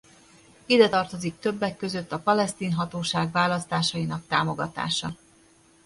Ide tartozik többek között a Palesztin Hatóság választásainak támogatása.